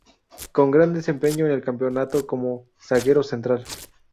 Con gran desempeño en el campeonato como zaguero central.